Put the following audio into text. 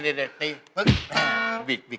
เดี๋ยว